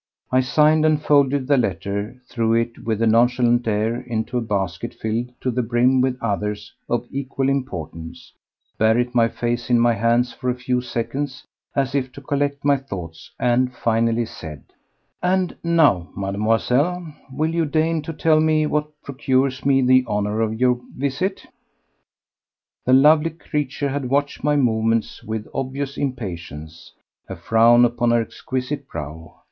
I signed and folded the letter, threw it with a nonchalant air into a basket filled to the brim with others of equal importance, buried my face in my hands for a few seconds as if to collect my thoughts, and finally said: "And now, Mademoiselle, will you deign to tell me what procures me the honour of your visit?" The lovely creature had watched my movements with obvious impatience, a frown upon her exquisite brow.